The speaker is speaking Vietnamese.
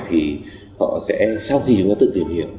thì họ sẽ sau khi chúng ta tự tìm hiểu